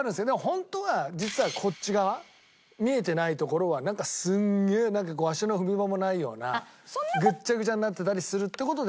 ホントは実はこっち側見えてない所はなんかすげえ足の踏み場もないようなグチャグチャになってたりするって事ではない？